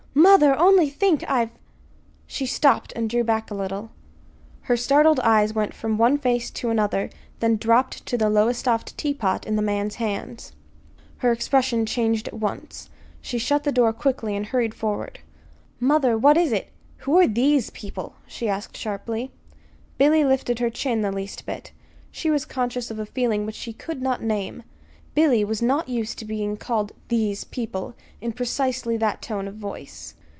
"Mother, only think, I've " She stopped, and drew back a little. Her startled eyes went from one face to another, then dropped to the Lowestoft teapot in the man's hands. Her expression changed at once. She shut the door quickly and hurried forward. "Mother, what is it? Who are these people?" she asked sharply. Billy lifted her chin the least bit. She was conscious of a feeling which she could not name: Billy was not used to being called "these people" in precisely that tone of voice.